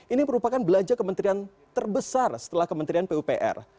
ini merupakan belanja kementerian terbesar setelah kementerian pupr